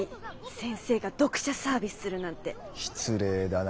先生が読者サービスするなんて。失礼だな。